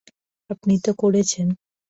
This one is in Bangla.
আপনি তো করেছেন।